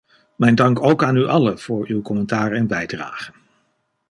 Mijn dank ook aan u allen voor uw commentaar en bijdragen.